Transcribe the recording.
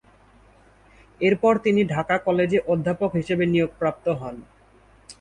এরপর তিনি ঢাকা কলেজে অধ্যাপক হিসেবে নিয়োগপ্রাপ্ত হন।